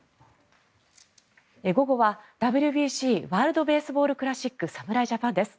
午後はＷＢＣ＝ワールド・ベースボール・クラシック侍ジャパンです。